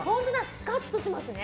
スカッとしますね。